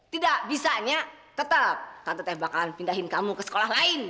tidak bisanya tetap tante teh bakalan pindahin kamu ke sekolah lain